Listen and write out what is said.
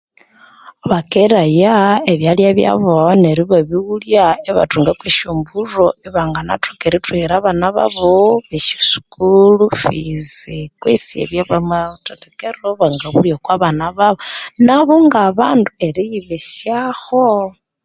Bakeraya ebyalya byabo neryo ibabighulya ibathungako esyombulho ibanganathoka erithuhira abana babo esyo sukulu fizi kwesi ebyaba ma mathendekero bangabulya okwa abana babo nabu nga bandu eriyibezyaho